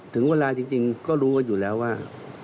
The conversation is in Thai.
ถึงเวลาจริงก็รู้กันอยู่แล้วว่า